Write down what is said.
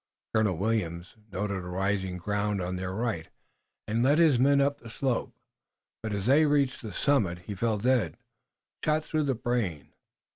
Colonel Williams noted a rising ground on their right, and led his men up the slope, but as they reached the summit he fell dead, shot through the brain.